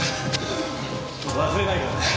忘れないからな。